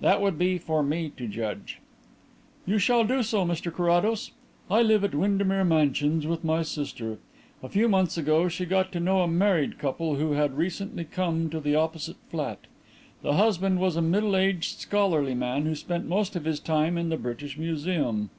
"That would be for me to judge." "You shall do so, Mr Carrados. I live at Windermere Mansions with my sister. A few months ago she got to know a married couple who had recently come to the opposite flat. The husband was a middle aged, scholarly man who spent most of his time in the British Museum.